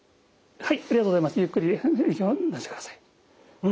はい。